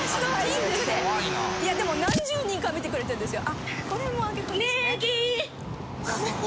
いやでも何十人かは見てくれてるんですよ。